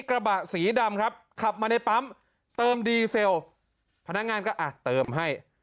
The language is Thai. กระบะสีดำครับขับมาในปั๊มเติมดีเซลพนักงานก็อ่ะเติมให้